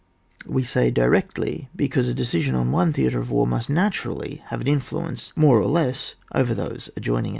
We say directly, because a decision on one theatre of war must naturally have also an influence more or less over those adjoining it.